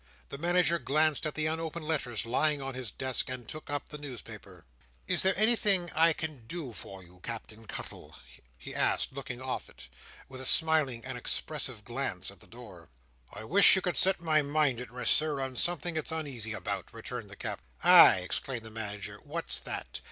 The Manager glanced at the unopened letters lying on his desk, and took up the newspaper. "Is there anything I can do for you, Captain Cuttle?" he asked looking off it, with a smiling and expressive glance at the door. "I wish you could set my mind at rest, Sir, on something it's uneasy about," returned the Captain. "Ay!" exclaimed the Manager, "what's that?